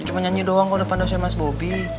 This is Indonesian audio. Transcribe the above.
cuma nyanyi doang kalau pandasnya mas bobi